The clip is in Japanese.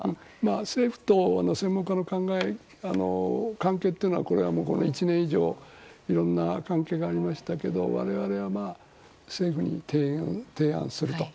政府と専門家の関係というのはこれは１年以上いろんな関係がありましたけど我々は政府に提案すると。